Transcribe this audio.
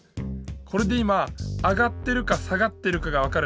これで今上がってるか下がってるかがわかるね。